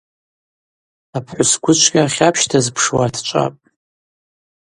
Апхӏвыс гвычвгьа хьапщ дазпшуа дчӏвапӏ.